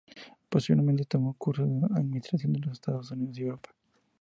Posteriormente tomó cursos de administración en los Estados Unidos y Europa.